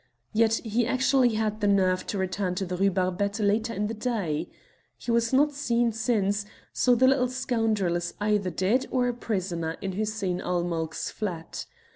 Yet he actually had the nerve to return to the Rue Barbette later in the day. He has not been seen since, so the little scoundrel is either dead or a prisoner in Hussein ul Mulk's flat.